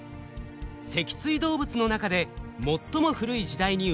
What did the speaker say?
脊椎動物の中で最も古い時代に生まれた魚。